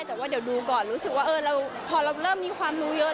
แต่ว่าเดี๋ยวดูก่อนรู้สึกว่าพอเราเริ่มมีความรู้เยอะ